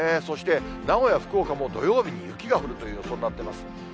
そして名古屋、福岡も土曜日に雪が降るという予想になっています。